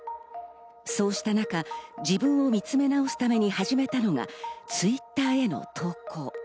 そうしたなか自分を見つめ直すために始めたのがＴｗｉｔｔｅｒへの投稿。